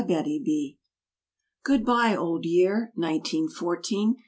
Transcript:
VALE—1914 Good bye, old year, nineteen fourteen!